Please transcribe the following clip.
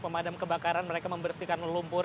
pemadam kebakaran mereka membersihkan lumpur